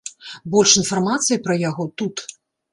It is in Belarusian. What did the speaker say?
Больш інфармацыі пра яго тут.